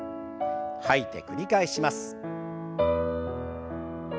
吐いて繰り返します。